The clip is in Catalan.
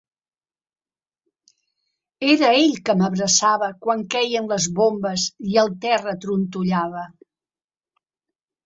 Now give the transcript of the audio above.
Era ell que m'abraçava quan queien les bombes i el terra trontollava.